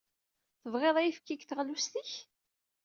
Tebɣiḍ ayefki deg teɣlust-ik?